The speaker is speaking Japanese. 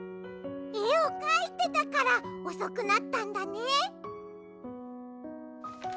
えをかいてたからおそくなったんだね。